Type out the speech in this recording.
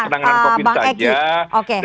yang untuk penanganan covid saja